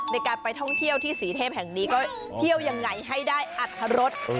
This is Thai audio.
ในการไปท่องเที่ยวที่ศรีเทพแห่งนี้ก็เที่ยวยังไงให้ได้อัตรรส